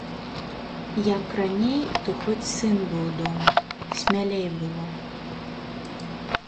Як раней, то хоць сын быў дома, смялей было.